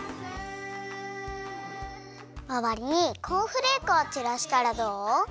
まわりにコーンフレークをちらしたらどう？